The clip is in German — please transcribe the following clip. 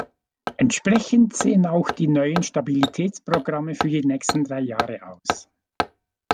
Entsprechend sehen auch die neuen Stabilitätsprogramme für die nächsten drei Jahre aus.